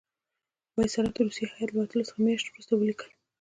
وایسرا د روسی هیات له وتلو څه میاشت وروسته ولیکل.